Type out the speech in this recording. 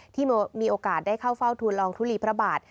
มีโอกาสได้เข้าเฝ้าทุนลองทุลีพระบาท